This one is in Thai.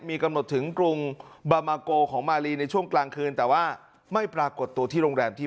มีกำหนดถึงกรุงบามาโกของมาลีในช่วงกลางคืนแต่ว่าไม่ปรากฏตัวที่โรงแรมที่